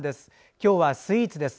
今日はスイーツです。